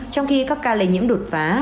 trong khi các ca lây nhiễm đột phá